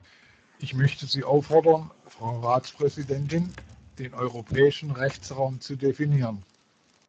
Ich möchte Sie auffordern, Frau Ratspräsidentin, den europäischen Rechtsraum zu definieren.